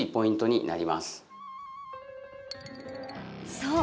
そう。